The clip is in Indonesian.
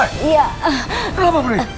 kenapa bu nek